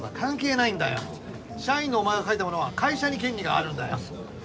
社員のお前が書いたものは会社に権利があるんだよ。